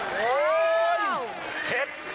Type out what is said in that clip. เผ็ด